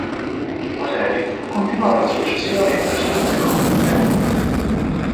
La serie è continuata successivamente su The Comedy Network.